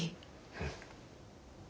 うん。